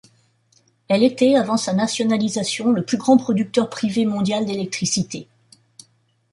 Elle était, avant sa nationalisation, le plus grand producteur privé mondial d'électricité.